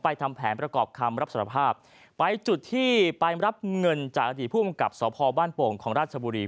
ทำแผนประกอบคำรับสารภาพไปจุดที่ไปรับเงินจากอดีตภูมิกับสพบ้านโป่งของราชบุรี